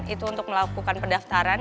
itu untuk melakukan pendaftaran